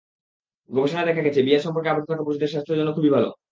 গবেষণায় দেখা গেছে, বিয়ের সম্পর্কে আবদ্ধ থাকা পুরুষদের স্বাস্থ্যের জন্য খুবই ভালো।